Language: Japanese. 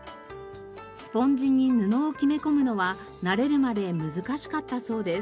スポンジに布を木目込むのは慣れるまで難しかったそうです。